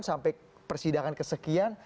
sampai persidangan kesekian